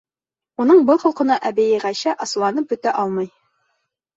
Уның был холҡона әбейе Ғәйшә асыуланып бөтә алмай.